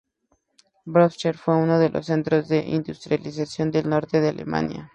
Braunschweig fue uno de los centros de industrialización del Norte de Alemania.